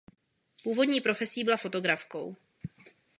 Původní profesí byla fotografkou.